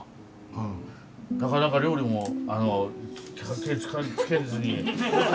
なかなか料理も手つけずに。